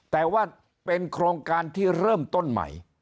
แต่ว่าเป็นโครงการที่เริ่มต้นใหม่